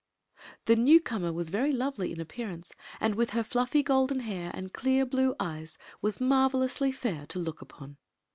The new comer was very lovely in appearance, and with her fluffy goldf n hair and clear Uue eyes was marvelously fair to look upon.